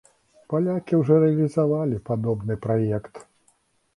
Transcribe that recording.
Палякі ўжо рэалізавалі падобны праект.